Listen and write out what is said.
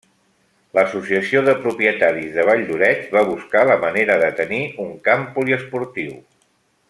L'Associació de Propietaris de Valldoreix va buscar la manera de tenir un camp poliesportiu.